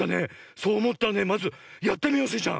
そうおもったらねまずやってみようスイちゃん！